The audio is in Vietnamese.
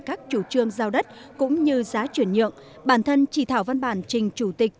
các chủ trương giao đất cũng như giá chuyển nhượng bản thân chỉ thảo văn bản trình chủ tịch